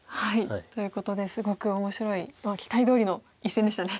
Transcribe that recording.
ということですごく面白い期待どおりの一戦でしたね。